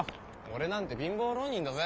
俺なんて貧乏浪人だぜ。